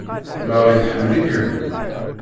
Marie tḥemmel-ikem!